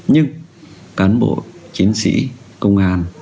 nhưng cán bộ chiến sĩ công an